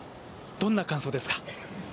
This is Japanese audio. どんな感想ですか？